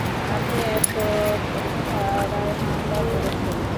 আপনি এসব ধারায় মামলা করেছেন?